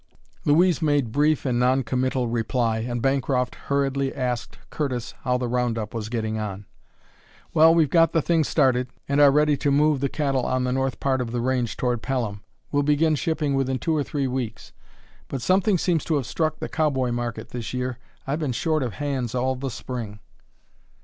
Louise made brief and noncommittal reply and Bancroft hurriedly asked Curtis how the round up was getting on. "Well, we've got the thing started, and are ready to move the cattle on the north part of the range toward Pelham. We'll begin shipping within two or three weeks. But something seems to have struck the cowboy market this year; I've been short of hands all the Spring."